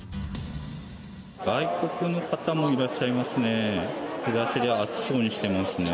外国の方もいらっしゃいますね。